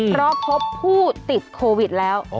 เพราะพบผู้ติดโควิดแล้ว